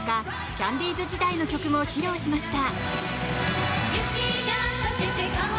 キャンディーズ時代の曲も披露しました。